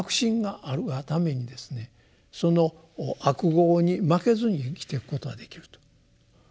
その悪業に負けずに生きていくことができると。